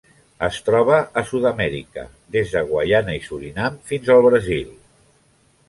Es troba a Sud-amèrica: des de Guaiana i Surinam fins al Brasil.